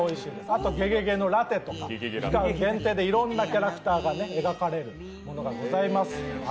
あと、ゲゲゲのラテとか限定でいろんなキャラクターが描かれるものがございます。